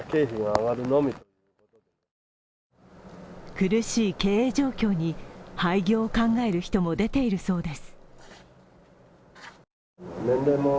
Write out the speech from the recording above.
苦しい経営状況に廃業を考える人も出ているそうです。